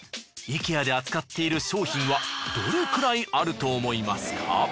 イケアで扱っている商品はどれくらいあると思いますか？